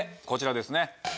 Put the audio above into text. こちらですね。